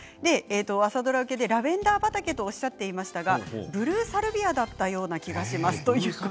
朝ドラ受けでラベンダー畑とおっしゃっていましたがブルーサルビアだったような気がします。